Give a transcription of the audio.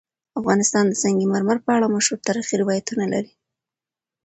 افغانستان د سنگ مرمر په اړه مشهور تاریخی روایتونه لري.